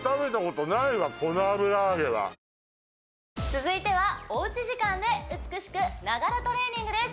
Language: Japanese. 続いてはおうち時間で美しくながらトレーニングです